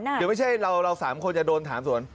เดี๋ยวไม่ใช่เรา๓คนจะโดนถามสวน